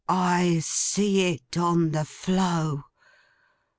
I see it, on the flow!